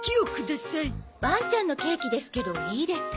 ワンちゃんのケーキですけどいいですか？